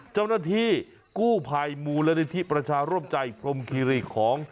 เจ้าหน้าที่กู้ภัยมูลนิธิประชาร่วมใจพรมคีรีของ